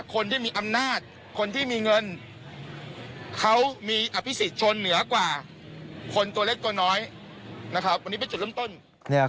คนที่มีอำนาจคนที่มีเงินเขามีอภิษฎชนเหนือกว่าคนตัวเล็กตัวน้อยนะครับวันนี้เป็นจุดเริ่มต้น